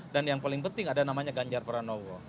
dan yang paling penting ada namanya ganjar pranowo